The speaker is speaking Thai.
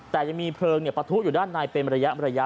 แต่ยังมีเพลิงปะทุอยู่ด้านในเป็นระยะ